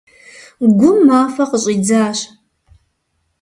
Гум мафӏэ къыщӏидзащ.